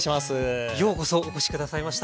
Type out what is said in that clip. ようこそお越し下さいました。